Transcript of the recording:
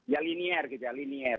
ya linear gitu ya linier